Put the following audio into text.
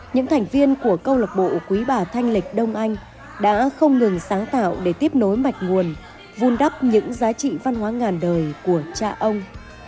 những thành viên của câu lạc bộ quý bà thanh lịch đông anh đã không ngừng sáng tạo để tiếp nối mạch nguồn vun đắp những giá trị văn hóa ngàn đời của cha ông